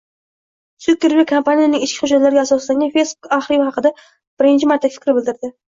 Sukerberg kompaniyaning ichki hujjatlariga asoslangan Facebook arxivi haqida birinchi marta fikr bildirdi